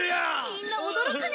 みんな驚くね！